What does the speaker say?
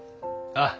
ああ。